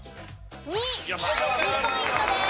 ２ポイントです。